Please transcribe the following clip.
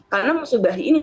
karena musibah ini